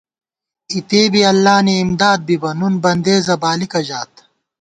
اِتےبی اللہ نی امداد بِبہ ، نُن بندېزہ بالِکہ ژات